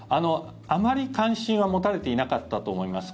あまり関心は持たれていなかったと思います。